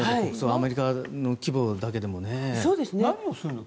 アメリカの規模だけでもね。